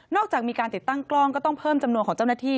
จากมีการติดตั้งกล้องก็ต้องเพิ่มจำนวนของเจ้าหน้าที่